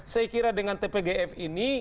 saya kira dengan tpgf ini